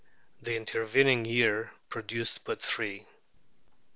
The intervening year produced but three.